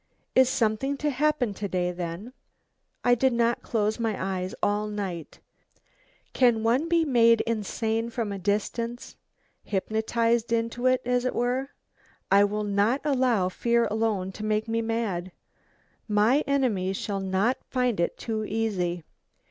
Is something to happen to day then? I did not close my eyes all night. Can one be made insane from a distance? hypnotised into it, as it were? I will not allow fear alone to make me mad. My enemy shall not find it too easy.